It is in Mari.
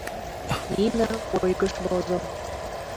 Нина ойгыш возо.